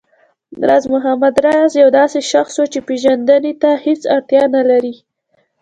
راز محمد راز يو داسې شخص و چې پېژندنې ته هېڅ اړتيا نه لري